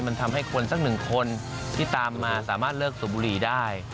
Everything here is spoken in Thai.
มันทำให้คนสักหนึ่งคนที่ตามมาสามารถเลิกสูบบุรีได้